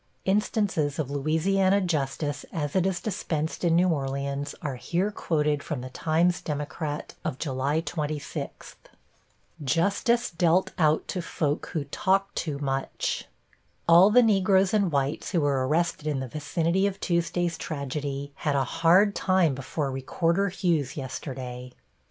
Instances of Louisiana justice as it is dispensed in New Orleans are here quoted from the Times Democrat of July 26: +Justice Dealt Out to Folk Who Talked Too Much+ All the Negroes and whites who were arrested in the vicinity of Tuesday's tragedy had a hard time before Recorder Hughes yesterday.